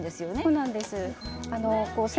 そうなんです。